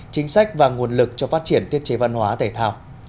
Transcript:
chính sách và nguồn lực cho phát triển thiết chế văn hóa tể thao